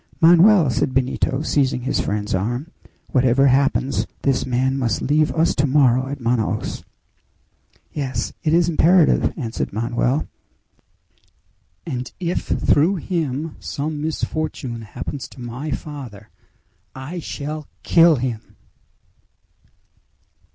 "Manoel!" said Benito, seizing his friend's arm, "whatever happens, this man must leave us tomorrow at Manaos." "Yes! it is imperative!" answered Manoel. "And if through him some misfortune happens to my father I shall kill him!"